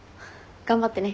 頑張ってね。